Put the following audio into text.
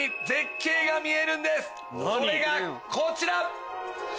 それがこちら！